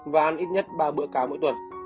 và ăn ít nhất ba bữa cá mỗi tuần